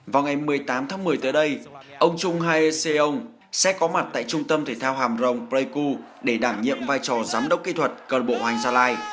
vào ngày một mươi tám tháng một mươi tới đây ông trung hae seong sẽ có mặt tại trung tâm thể thao hàm rồng pleiku để đảm nhiệm vai trò giám đốc kỹ thuật cần bộ hoành gia lai